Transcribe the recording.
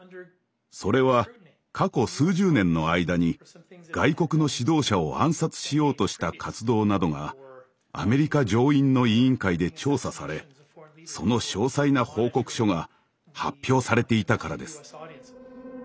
それは過去数十年の間に外国の指導者を暗殺しようとした活動などがアメリカ上院の委員会で調査されその詳細な報告書が発表されていたからです。